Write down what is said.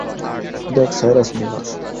দেখ, Cyrus Miller!